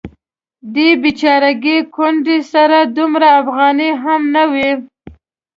دې بیچارګۍ کونډې سره دومره افغانۍ هم نه وې.